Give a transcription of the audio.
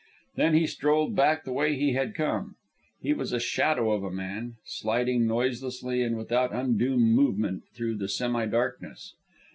Then he strolled back the way he had come. He was a shadow of a man, sliding noiselessly and without undue movement through the semi darkness.